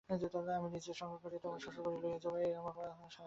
আমি নিজে সঙ্গে করিয়া তোকে শশুরবাড়ি লইয়া যাইব, এই আমার একমাত্র সাধ আছে।